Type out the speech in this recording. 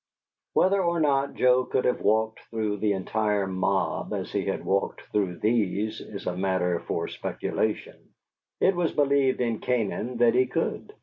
Whether or not Joe could have walked through the entire mob as he had walked through these is a matter for speculation; it was believed in Canaan that he could.